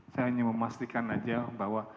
saya hanya memastikan saja